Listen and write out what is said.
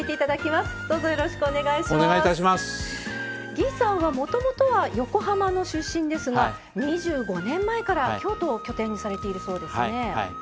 魏さんはもともとは横浜の出身ですが２５年前から京都を拠点にされているそうですね。